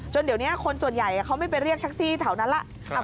เดี๋ยวนี้คนส่วนใหญ่เขาไม่ไปเรียกแท็กซี่แถวนั้นแล้ว